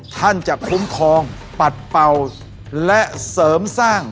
ท่านจะคุ้มครองปัดเป่าและเสริมสร้าง